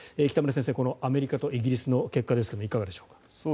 北村先生、このアメリカとイギリスの結果ですがいかがでしょうか。